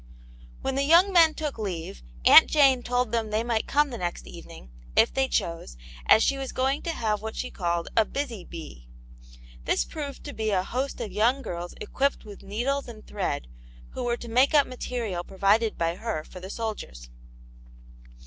When the young men took leave. Aunt Jane told them they might come the next evening, if they chose, as she was going to have what she called a " Busy Bee." This proved to be a host of young girls equipped with needles and thread, who were to make up material provided by her for the soldiers.